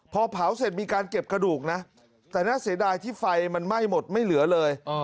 พอเผาเสร็จมีการเก็บกระดูกนะแต่น่าเสียดายที่ไฟมันไหม้หมดไม่เหลือเลย